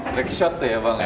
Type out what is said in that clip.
trickshot tuh ya bang